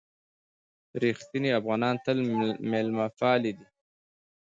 رښتیني افغانان تل مېلمه پالي دي.